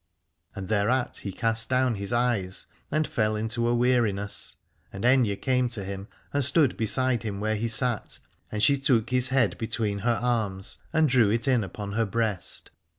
And thereat he cast down his eyes and fell into a weariness. And Aithne came to him and stood beside him where he sat, and she took his head 315 Aladore between her arms and drew it in upon her breast.